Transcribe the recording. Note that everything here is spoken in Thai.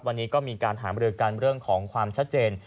วันนี้ก็มีการหามรือกันเรื่องของความชัดเจน